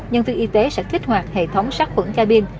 nhân viên y tế sẽ kích hoạt hệ thống sát khuẩn ca binh